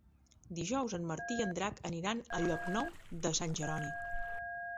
Dijous en Martí i en Drac aniran a Llocnou de Sant Jeroni.